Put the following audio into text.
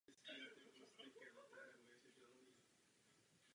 Autor sbírky je však neznámý.